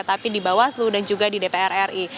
tapi di bawaslu dan juga di dpr ri